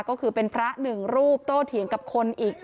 ก็คือเป็นพระหนึ่งรูปโตเถียงกับคนอีก